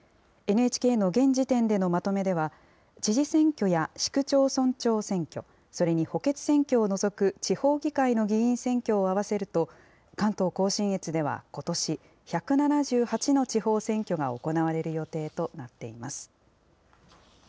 ＮＨＫの現時点でのまとめでは、知事選挙や市区町村長選挙、それに補欠選挙を除く地方議会の議員選挙を合わせると関東甲信越ではことし１７８の地方選挙が行われる予定となっています。